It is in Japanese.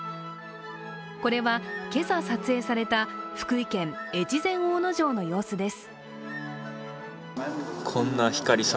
これは今朝撮影された福井県越前大野城の様子です。